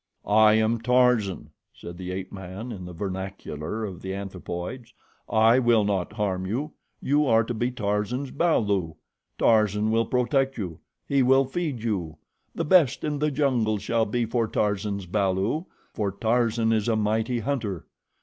"I am Tarzan," said the ape man, in the vernacular of the anthropoids. "I will not harm you. You are to be Tarzan's balu. Tarzan will protect you. He will feed you. The best in the jungle shall be for Tarzan's balu, for Tarzan is a mighty hunter.